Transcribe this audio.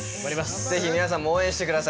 ぜひ皆さんも応援して下さい。